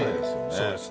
そうですね。